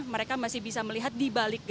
mereka masih bisa melihat dibaliknya